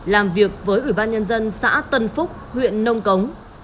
làm việc với ủy ban nhân dân xã tân phúc huyện nông cống